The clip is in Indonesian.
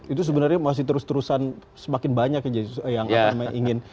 itu sebenarnya masih terus terusan semakin banyak yang ingin